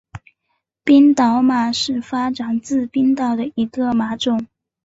冰岛马是发展自冰岛的一个马品种。